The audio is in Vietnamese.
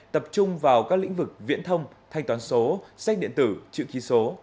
tập trung vào các lĩnh vực viễn thông thanh toán số sách điện tử chữ ký số